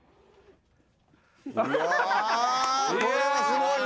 これはすごいな。